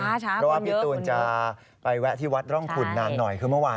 เพราะว่าพี่ตูนจะไปแวะที่วัดร่องขุนนานหน่อยคือเมื่อวาน